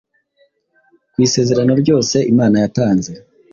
Ku isezerano ryose Imana yatanze,